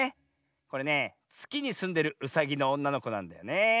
これねつきにすんでるうさぎのおんなのこなんだよねえ。